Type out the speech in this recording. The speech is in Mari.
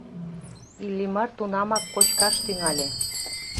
Иллимар тунамак кочкаш тӱҥале.